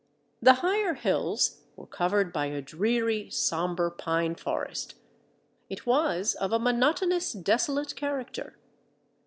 The higher hills were covered by a dreary, sombre pine forest. It was of a monotonous, desolate character.